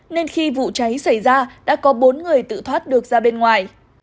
nên khi vụ cháy xảy ra đã có bốn người tự thoát được ra bên ngoài